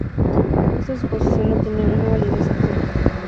Esta suposición no tiene una validez absoluta.